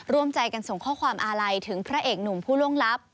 รวมใจกันส่งข้อความอาลัยถึงพระเอกหนุ่มผู้ล่วงลับ